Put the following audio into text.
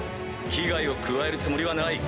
危害を加えるつもりはない。